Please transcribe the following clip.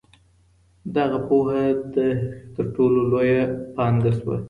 دغه پوهه د هغې تر ټولو لویه پانګه شوه.